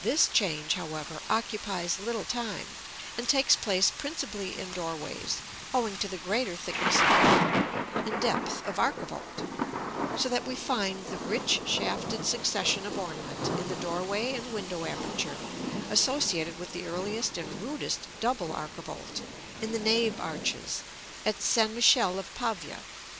This change, however, occupies little time, and takes place principally in doorways, owing to the greater thickness of wall, and depth of archivolt; so that we find the rich shafted succession of ornament, in the doorway and window aperture, associated with the earliest and rudest double archivolt, in the nave arches, at St. Michele of Pavia.